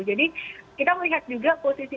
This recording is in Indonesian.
jadi kita melihat juga posisi